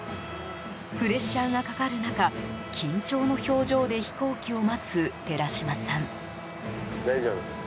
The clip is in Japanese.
プレッシャーがかかる中緊張の表情で飛行機を待つ寺島さん。